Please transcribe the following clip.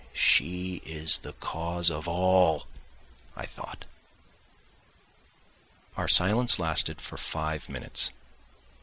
"She is the cause of it all," I thought. Our silence lasted for five minutes.